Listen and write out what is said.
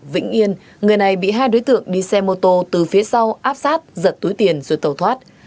vĩnh yên người này bị hai đối tượng đi xe mô tô từ phía sau áp sát giật túi tiền rồi tàu thoát